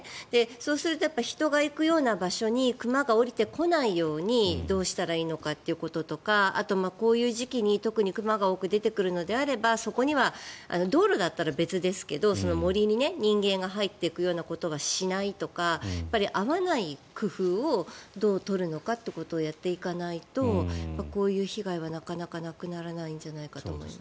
そうすると人が行くような場所に熊が下りてこないようにどうしたらいいのかっていうこととかあと、こういう時期に特に熊が多く出てくるのであれば道路だったら別ですけど森に人間が入っていくことはしないとか会わない工夫をどう取るのかっていうことをやっていかないとこういう被害はなかなかなくならないんじゃないかと思います。